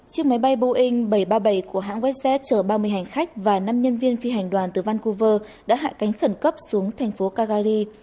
chiếc máy bay boeing bảy trăm ba mươi bảy của hãng westers chở ba mươi hành khách và năm nhân viên phi hành đoàn từ vancouver đã hạ cánh khẩn cấp xuống thành phố cagali